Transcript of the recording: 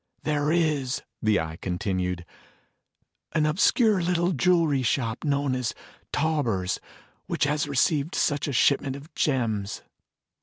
"There is," the Eye continued, "an obscure little jewelry shop known as Tauber's which has received such a shipment of gems."